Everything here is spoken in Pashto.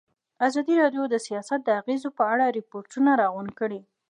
ازادي راډیو د سیاست د اغېزو په اړه ریپوټونه راغونډ کړي.